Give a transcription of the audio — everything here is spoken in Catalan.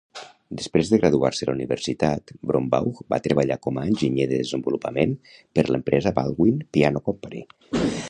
Després de graduar-se a la universitat, Brombaugh va treballar com a enginyer de desenvolupament per l"empresa Baldwin Piano Company.